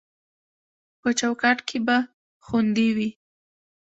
په چوکاټ کې به خوندي وي